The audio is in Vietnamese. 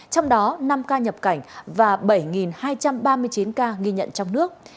trong đó năm ca nhập cảnh và bảy hai trăm ba mươi chín ca ghi nhận trong nước